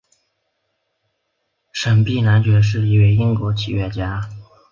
沈弼男爵是一位英国企业家。